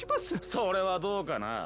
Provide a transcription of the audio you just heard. それはどうかな。